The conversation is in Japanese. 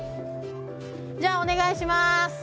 じゃあお願いします。